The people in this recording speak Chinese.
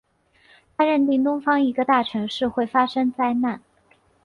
他认定东方一个大城市会发生灾难。